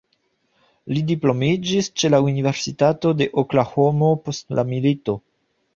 Li diplomiĝis ĉe la Universitato de Oklahomo post la milito.